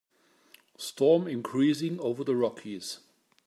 Storm increasing over the Rockies.